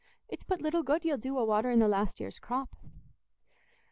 It's but little good you'll do a watering the last year's crop."